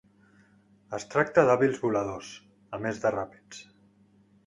Es tracta d'hàbils voladors, a més de ràpids.